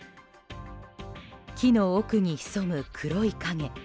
木の奥に潜む黒い影。